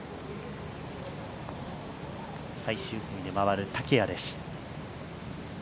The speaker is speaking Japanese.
最終組で回る、竹谷です。